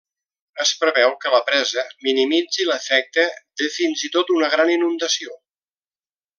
Es preveu que la presa minimitzi l'efecte de fins i tot una gran inundació.